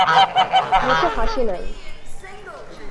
মুখে হাসি নাই।